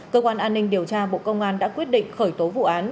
cơ quan an ninh điều tra bộ công an đã quyết định khởi tố vụ án